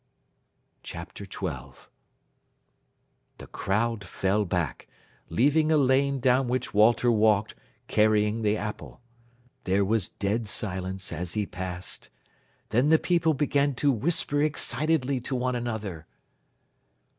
CHAPTER XII The crowd fell back, leaving a lane down which Walter walked, carrying the apple. There was dead silence as he passed. Then the people began to whisper excitedly to one another.